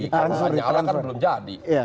karena lanyala kan belum jadi